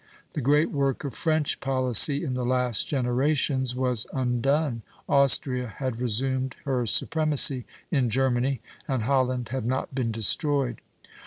The great work of French policy in the last generations was undone, Austria had resumed her supremacy in Germany, and Holland had not been destroyed.